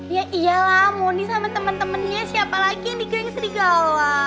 ya iyalah mondi sama temen temennya siapa lagi yang di geng serigala